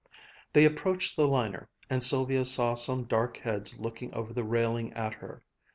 They approached the liner, and Sylvia saw some dark heads looking over the railing at her.